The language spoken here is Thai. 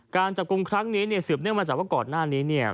การจับกลุ่มครั้งนี้สืบเนื่องมาจากว่าก่อนหน้านี้